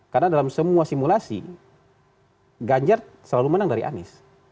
karena dalam semua simulasi ganjar selalu menang dari anies